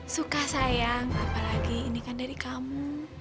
suka sayang apalagi ini kan dari kamu